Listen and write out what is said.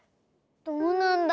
どうなんだろ？